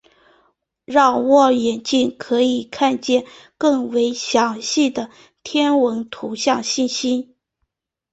让望远镜可以看见更为详细的天文图像信息。